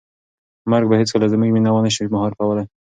مرګ به هیڅکله زموږ مینه ونه شي مهار کولی.